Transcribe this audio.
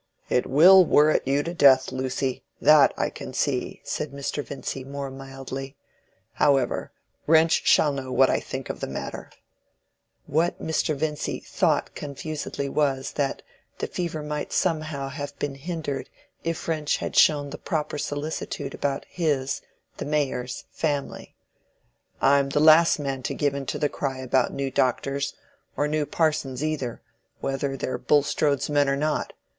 "It will worret you to death, Lucy; that I can see," said Mr. Vincy, more mildly. "However, Wrench shall know what I think of the matter." (What Mr. Vincy thought confusedly was, that the fever might somehow have been hindered if Wrench had shown the proper solicitude about his—the Mayor's—family.) "I'm the last man to give in to the cry about new doctors, or new parsons either—whether they're Bulstrode's men or not.